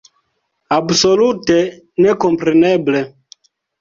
Absolute nekompreneble!